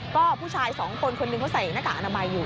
ก็ผู้ชายสองคนคนหนึ่งเขาใส่หน้ากากอนามัยอยู่